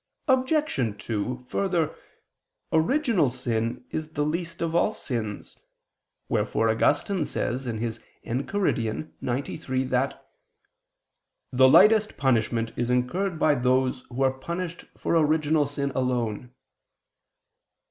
Obj. 2: Further, original sin is the least of all sins, wherefore Augustine says (Enchiridion xciii) that "the lightest punishment is incurred by those who are punished for original sin alone."